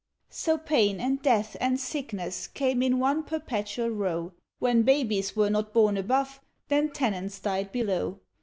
So pain and death and sickness came in one perpetual row, When babies were not born above, then tenants died below.